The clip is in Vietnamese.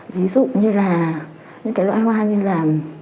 ví dụ như là những cái loại hoa như là